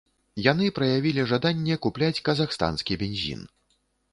Яны праявілі жаданне купляць казахстанскі бензін.